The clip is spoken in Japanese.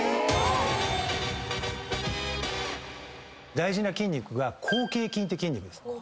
大事な筋肉が広頚筋って筋肉です。